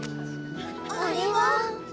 あれは。